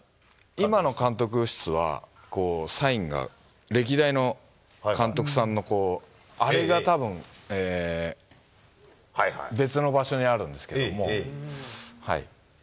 今の監督室はこう、サインが、歴代の監督さんの、あれがたぶん、別の場所にあるんですけども。